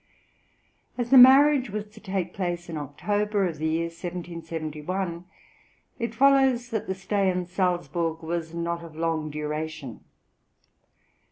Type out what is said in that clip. As the marriage was to take place in October of the year 1771, it follows that the stay in Salzburg was not of long duration.